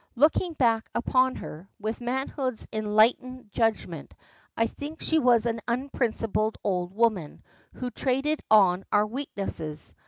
Looking back upon her, with manhood's enlightened judgment, I think she was an unprincipled old woman, who traded on our weaknesses.